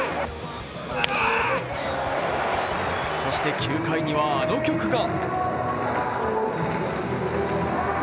そして、９回には、あの曲が！